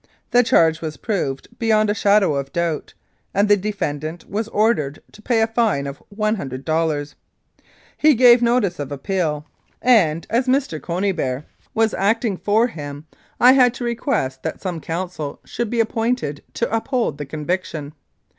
The charge was proved beyond a shadow of doubt, and the defendant was ordered to pay a fine of one hundred dollars. He gave notice of appeal, and as Mr. Conybeare was 3; Mounted Police Life in Canada acting for him, I had to request that some counsel should be appointed to uphold the conviction.